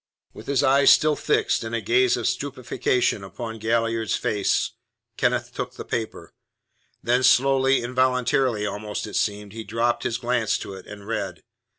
With his eyes still fixed in a gaze of stupefaction upon Galliard's face, Kenneth took the paper. Then slowly, involuntarily almost it seemed, he dropped his glance to it, and read.